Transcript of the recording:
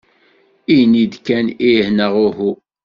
Ini-d kan ih neɣ uhu.